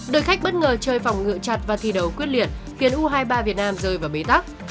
đội khách bất ngờ chơi phòng ngựa chặt và thi đấu quyết liệt khiến u hai mươi ba việt nam rơi vào bế tắc